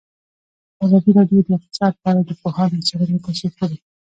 ازادي راډیو د اقتصاد په اړه د پوهانو څېړنې تشریح کړې.